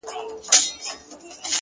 راڅخه زړه وړي رانه ساه وړي څوك-